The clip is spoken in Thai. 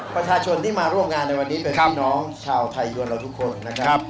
ประชาชนที่มาร่วมงานในวันนี้เป็นพี่น้องชาวไทยยวนเราทุกคนนะครับ